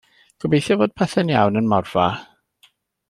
Gobeithio fod pethau'n iawn ym Morfa.